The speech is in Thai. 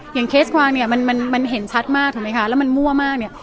อย่างเคสกวางเนี้ยมันมันมันเห็นชัดมากถูกไหมคะแล้วมันมั่วมากเนี้ย